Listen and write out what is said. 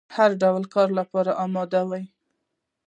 د هر ډول کار لپاره اماده وي.